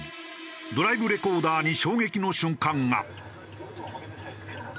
ドライブレコーダーに衝撃の瞬間が。